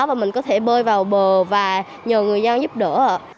và mình có thể bơi vào bờ và nhờ người dân giúp đỡ